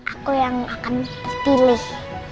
aku yang akan dipilih